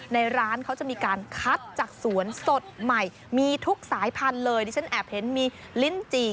ในร้านเขาจะมีการคัดจากสวนสดใหม่มีทุกสายพันธุ์เลยดิฉันแอบเห็นมีลิ้นจี่